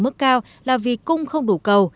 mức cao là vì cung không đủ cầu